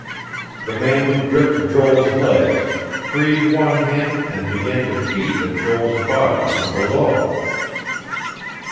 The man who gripped Joel's legs, freed one hand and began to beat at Joel's body from below.